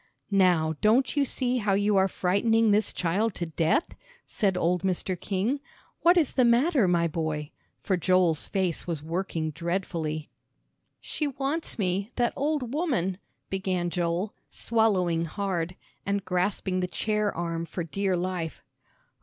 "Now don't you see how you are frightening this child to death?" said old Mr. King. "What is the matter, my boy?" for Joel's face was working dreadfully. "She wants me that old woman," began Joel, swallowing hard, and grasping the chair arm for dear life.